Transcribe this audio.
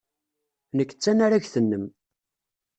Nekk d tanaragt-nnem.